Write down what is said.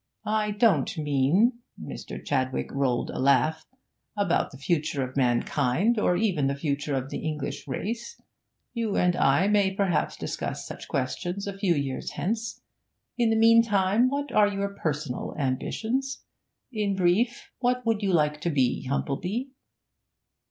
I don't mean' Mr. Chadwick rolled a laugh 'about the future of mankind, or even the future of the English race; you and I may perhaps discuss such questions a few years hence. In the meantime, what are your personal ambitions? In brief, what would you like to be, Humplebee?'